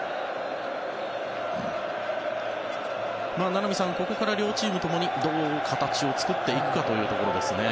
名波さん、ここから両チーム共にどう形を作っていくかというところですね。